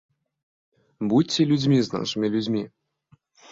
Будзьце людзьмі з нашымі людзьмі.